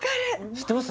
知ってます